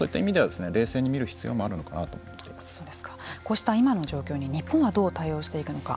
そういった意味では冷静に見る必要もあるのかなとこうした今の状況に日本はどう対応していくのか。